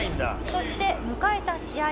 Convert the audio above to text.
そして迎えた試合。